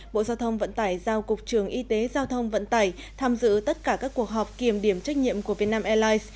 bộ giao thông vận tải giao cục trường y tế giao thông vận tải tham dự tất cả các cuộc họp kiểm điểm trách nhiệm của vietnam airlines